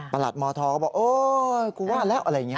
ประหลัดมธก็บอกกูว่าแล้วอะไรอย่างนี้